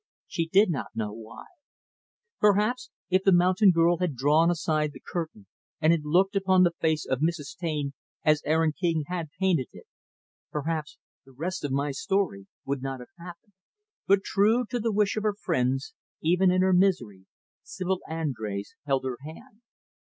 She did not know why. Perhaps if the mountain girl had drawn aside the curtain and had looked upon the face of Mrs. Taine as Aaron King had painted it perhaps the rest of my story would not have happened. But, true to the wish of her friends, even in her misery, Sibyl Andrés held her hand.